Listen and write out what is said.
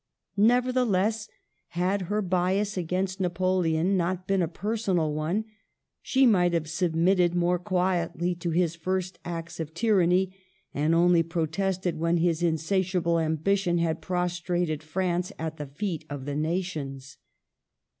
Nevertheless, had her bias against Napoleon not been a personal one, she might have submitted more quietly to his first acts of tyranny, and only protested when his insatiable ambition had prostrated France at the feet of the nations.